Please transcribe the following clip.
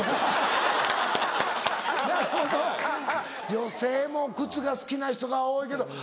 女性も靴が好きな人が多いけど。